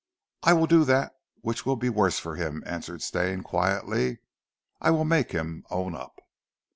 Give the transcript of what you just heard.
"I will do that which will be worse for him," answered Stane quietly, "I will make him own up."